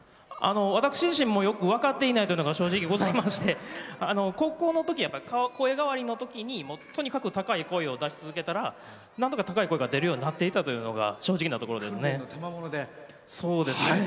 私自身もよく分かっていないというのがございまして高校のとき、声変わりのときにとにかく高い声を出し続けたらなんとか高い声が出るようになっていたというのが正直なところですね。